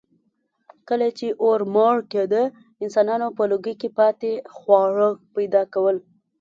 کله چې اور مړ کېده، انسانانو په لوګي کې پاتې خواړه پیدا کول.